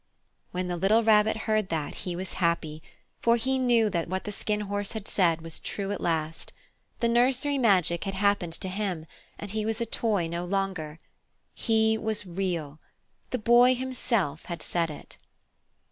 When the little Rabbit heard that he was happy, for he knew that what the Skin Horse had said was true at last. The nursery magic had happened to him, and he was a toy no longer. He was Real. The Boy himself had said it.